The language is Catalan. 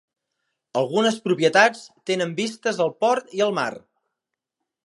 Algunes propietats tenen vistes al port i al mar.